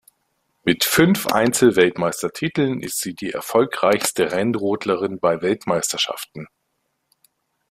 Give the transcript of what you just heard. Mit fünf Einzel-Weltmeistertiteln ist sie die erfolgreichste Rennrodlerin bei Weltmeisterschaften.